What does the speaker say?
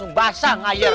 masuk basah ngajar